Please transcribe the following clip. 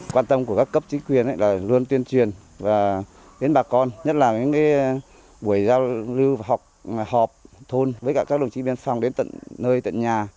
quan tâm của các cấp chính quyền là luôn tuyên truyền đến bà con nhất là những buổi giao lưu họp thôn với các đồng chí biên phòng đến tận nơi tận nhà